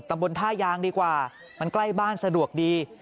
ตำบลท่ายางดีกว่ามันใกล้บ้านสะดวกดี